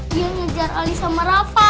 dia ngejar ali sama rafa